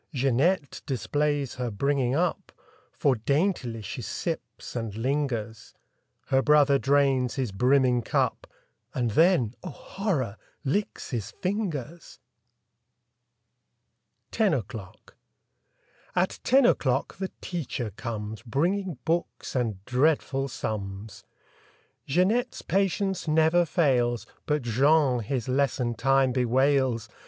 Jeanette displays her bringing up. For daintily she sips and lingers. Her brother drains his brimming cup. And then—oh, horror!—licks his fingers! 13 NINE O'CLOCK 15 TEN O'CLOCK AT ten o'clock the teacher comes ZjL Bringing books and dreadful Jeanette's patience never fails, But Jean his lesson time bewails.